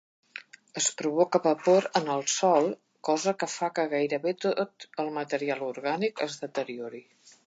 Es provoca vapor en el sòl, cosa que fa que gaire bé tot el material orgànic es deteriori.